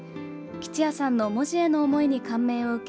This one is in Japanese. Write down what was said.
吉也さんの文字への思いに感銘を受け